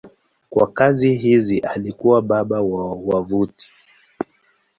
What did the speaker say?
Kwa kazi hizi alikuwa baba wa wavuti.